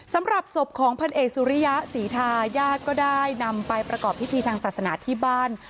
สำหรับศพของพันเอกสุริยะศรีทายาทก็ได้นำไปประกอบพิธีทางศาสนาที่บ้าน